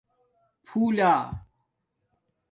پُھولہ